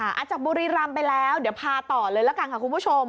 จากบุรีรำไปแล้วเดี๋ยวพาต่อเลยละกันค่ะคุณผู้ชม